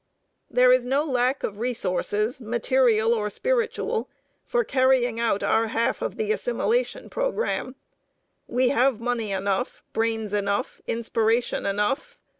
There is no lack of resources, material or spiritual, for carrying out our half of the assimilation programme. We have money enough, brains enough, inspiration enough.